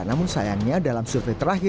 namun sayangnya dalam survei terakhir